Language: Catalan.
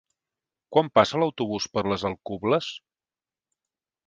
Quan passa l'autobús per les Alcubles?